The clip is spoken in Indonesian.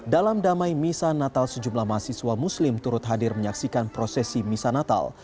dalam damai misanatal sejumlah mahasiswa muslim turut hadir menyaksikan prosesi misanatal